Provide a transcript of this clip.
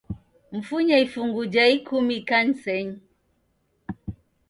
Mfunye ifungu ja ikumi ikanisenyi